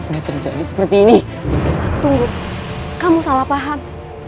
udah terjadi seperti ini tunggu kamu salah paham